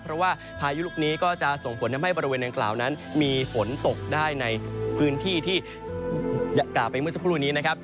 เพราะว่าพายุลูกนี้ก็จะส่งผลทำให้บริเวณดังกล่าวนั้นมีฝนตกได้ในพื้นที่ที่กล่าวไปเมื่อสักครู่นี้นะครับ